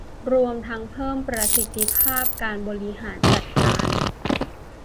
รวมทั้งเพิ่มประสิทธิภาพการบริหารจัดการ